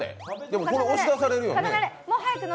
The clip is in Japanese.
でも押し出されるよね。